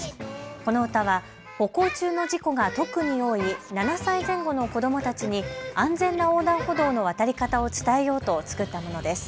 この歌は歩行中の事故が特に多い７歳前後の子どもたちに安全な横断歩道の渡り方を伝えようと作ったものです。